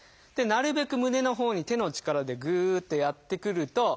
なるべく胸のほうに手の力でぐってやってくると。